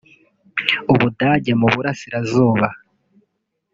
Ubudage mu burasirazuba